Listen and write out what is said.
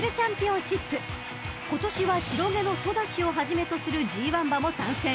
［今年は白毛のソダシをはじめとするＧⅠ馬も参戦］